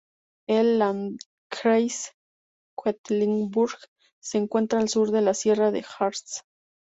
El "Landkreis Quedlinburg" se encuentra al sur de la sierra del Harz.